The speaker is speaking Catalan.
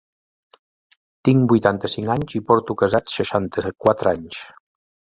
Tinc vuitanta-cinc anys i porto casat seixanta-quatre anys.